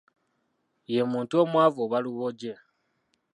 Ye muntu omwavu oba luboje.